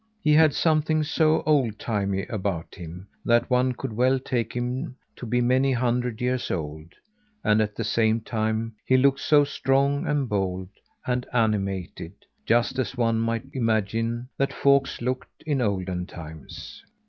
He had something so old timy about him, that one could well take him to be many hundred years old; and at the same time, he looked so strong and bold, and animated just as one might imagine that folks looked in olden times.